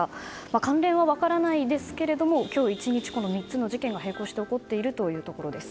関連は分からないんですが今日１日でこの３つの事件が並行して起こっているというところです。